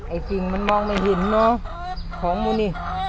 ไอ้สิ่งมันมองไม่เห็นเนอะของมึงนี่